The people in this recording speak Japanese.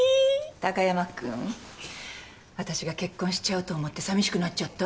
貴山君私が結婚しちゃうと思って寂しくなっちゃった？